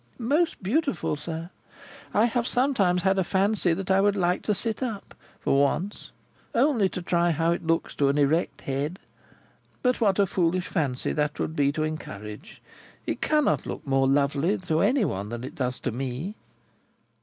"Most beautiful, sir. I have sometimes had a fancy that I would like to sit up, for once, only to try how it looks to an erect head. But what a foolish fancy that would be to encourage! It cannot look more lovely to any one than it does to me."